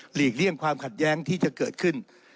ลีกเลี่ยงความขัดแย้งที่จะเกิดขึ้น